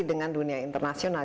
dengan dunia internasional